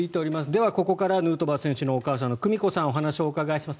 では、ここからヌートバー選手のお母さんの久美子さんにお話をお伺いします。